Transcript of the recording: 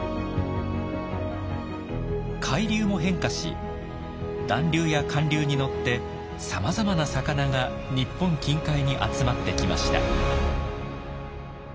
海流も変化し暖流や寒流に乗ってさまざまな魚が日本近海に集まってきました。